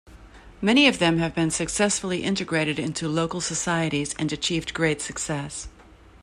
Many of them have been successfully integrated into local societies and achieved great success.